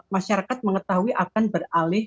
masyarakat mengetahui akan beralih